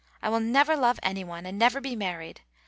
I will never love any one, and never be married.